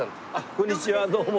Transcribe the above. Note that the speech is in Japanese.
こんにちはどうも。